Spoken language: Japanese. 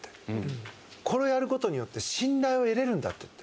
これをやる事によって信頼を得られるんだっていって。